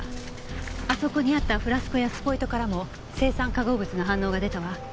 あそこにあったフラスコやスポイトからも青酸化合物の反応が出たわ。